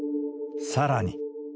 さらに。